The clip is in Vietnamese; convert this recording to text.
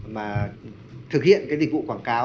mà thực hiện cái dịch vụ quảng cáo